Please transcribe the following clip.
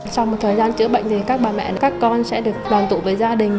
sau một thời gian chữa bệnh thì các bà mẹ các con sẽ được đoàn tụ với gia đình